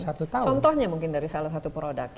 satu tahun contohnya mungkin dari salah satu produk